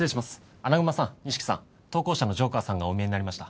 アナグマさん西木さん投稿者のジョーカーさんがお見えになりました。